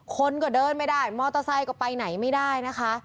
คนก็เดินไม่ได้มอเตอร์ไซค์ก็ไปไหนไม่ได้นะคะ